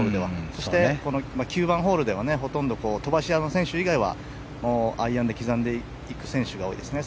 そして９番ホールでは飛ばし屋の選手以外はアイアンで刻んでいく選手が多いですね。